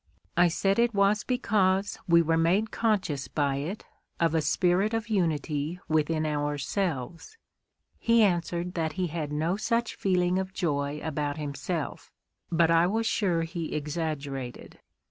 I said it was because we were made conscious by it of a spirit of unity within ourselves. He answered that he had no such feeling of joy about himself, but I was sure he exaggerated.